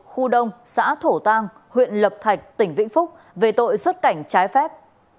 khu đông xã thổ tăng huyện lập thạch tỉnh vĩnh phúc về tội xuất cảnh trái phép